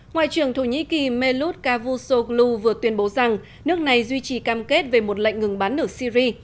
ngoại trưởng thổ nhĩ kỳ melut cavusoglu vừa tuyên bố rằng nước này duy trì cam kết về một lệnh ngừng bắn ở syri